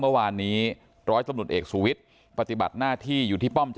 เมื่อวานนี้ร้อยตำรวจเอกสุวิทย์ปฏิบัติหน้าที่อยู่ที่ป้อมเจ